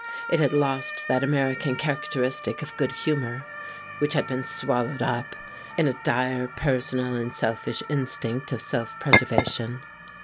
It had lost that American characteristic of good humor, which had been swallowed up in a dire personal and selfish instinct of self preservation.